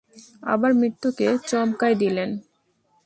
আবার মৃত্যুকে চমকায় দিলেন!